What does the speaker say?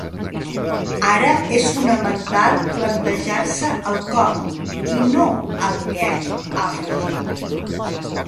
Ara és fonamental plantejar-se el com i no el què, ha afegit.